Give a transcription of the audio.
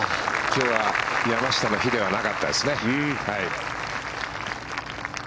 今日は山下の日ではなかったですね。